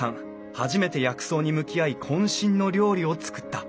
初めて薬草に向き合いこん身の料理を作った。